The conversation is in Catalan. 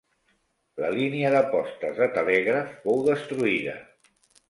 La línia de postes de telègraf fou destruïda.